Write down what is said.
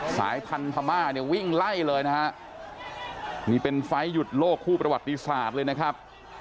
สายพันธม่าเนี่ยวิ่งไล่เลยนะฮะนี่เป็นไฟล์หยุดโลกคู่ประวัติศาสตร์เลยนะครับ